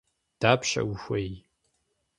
Дапщэ ухуей?